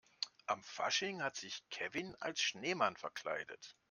An Fasching hat sich Kevin als Schneemann verkleidet.